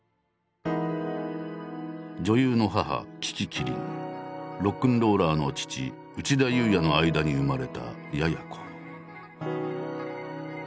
女優の母樹木希林ロックンローラーの父内田裕也の間に生まれた也哉子。